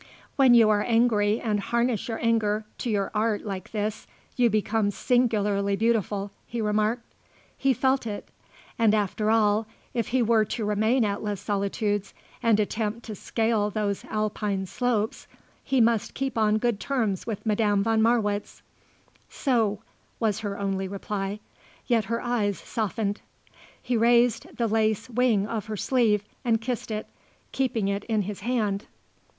"When you are angry and harness your anger to your art like this, you become singularly beautiful," he remarked. He felt it; and, after all, if he were to remain at Les Solitudes and attempt to scale those Alpine slopes he must keep on good terms with Madame von Marwitz. "So," was her only reply. Yet her eyes softened. He raised the lace wing of her sleeve and kissed it, keeping it in his hand.